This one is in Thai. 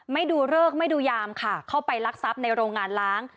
ไม่ดูเลิกไม่ดูยามค่ะเข้าไปรักทรัพย์ในโรงงานล้าง